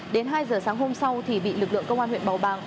đến hai giờ sáng hôm sau thì bị lực lượng công an huyện bầu bàng